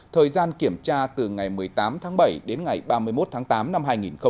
thời gian kiểm tra từ ngày một mươi tám tháng bảy đến ngày ba mươi một tháng tám năm hai nghìn một mươi chín